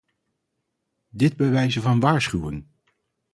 Dit bij wijze van waarschuwing!